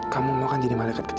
kamu makanya di malu malukansc